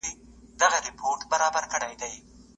زما به وس وي پردی سوی ستا به سرې اوښکي توییږي